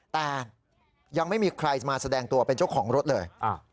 แต่ยังไม่มีใครมาแสดงตัวเป็นเจ้าของรถเลย